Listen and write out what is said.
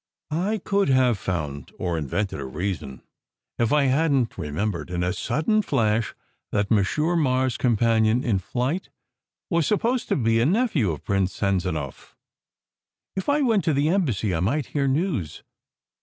I could have found or invented a reason, if I hadn t re membered in a sudden flash that Monsieur Mars com panion in flight was supposed to be a nephew of Prince Sanzanow. If I went to the Embassy I might hear news.